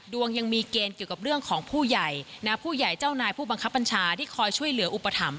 ยังมีเกณฑ์เกี่ยวกับเรื่องของผู้ใหญ่นะผู้ใหญ่เจ้านายผู้บังคับบัญชาที่คอยช่วยเหลืออุปถัมภ